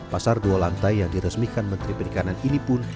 pasar dua lantai yang diresmikan menteri perikanan ini pun